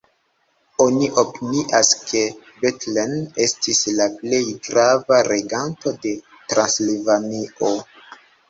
Oni opinias ke Bethlen estis la plej grava reganto de Transilvanio.